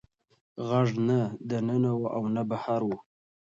غږ نه د ننه و او نه بهر و.